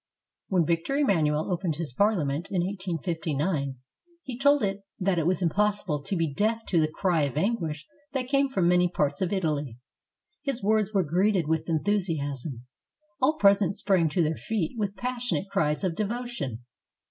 When Victor Emmanuel opened his Parliament in 1859, ^^ told it that it was impossible to be deaf to the cry of anguish that came from many parts of Italy. His words were greeted with enthusiasm. All present sprang to their feet with passionate cries of devotion.